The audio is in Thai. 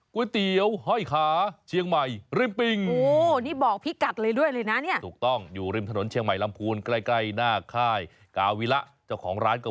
ก๋วยเตี๋ยวห้อยขาเชียงใหม่ริมปิง